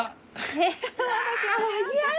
えっ？